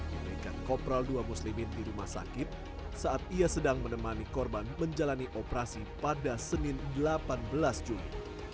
diberikan kopral dua muslimin di rumah sakit saat ia sedang menemani korban menjalani operasi pada senin delapan belas juli